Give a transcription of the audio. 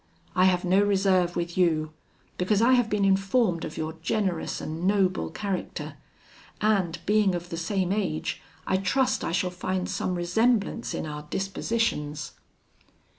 I have no reserve with you, because I have been informed of your generous and noble character; and, being of the same age, I trust I shall find some resemblance in our dispositions.'